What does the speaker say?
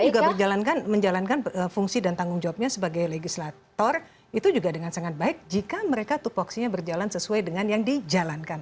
kita juga menjalankan fungsi dan tanggung jawabnya sebagai legislator itu juga dengan sangat baik jika mereka tupoksinya berjalan sesuai dengan yang dijalankan